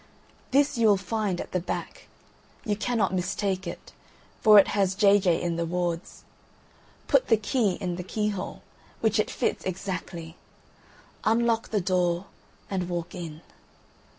This you will find at the back: you cannot mistake it, for it has J. J. in the wards. Put the Key in the Keyhole, which it fits exactly, unlock the door and WALK IN.